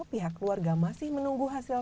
pihak keluarga masih menunggu hasil